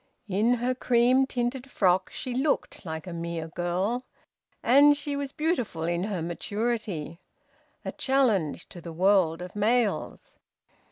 In her cream tinted frock she looked like a mere girl. And she was beautiful in her maturity; a challenge to the world of males.